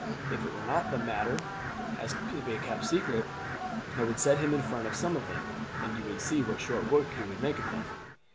If it were not that the matter has to be kept secret I would set him in front of some of them, and you would see what short work he would make of them.